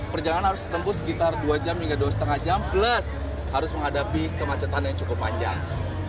perjalanan harus ditempuh sekitar dua jam hingga dua lima jam plus harus menghadapi kemacetan yang cukup panjang